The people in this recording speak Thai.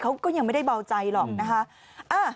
เขาก็ยังไม่ได้เบาใจหรอกนะคะ